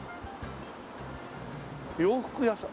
洋服屋さん？